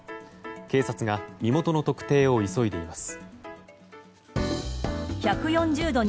警察が身元の特定を急いでいます。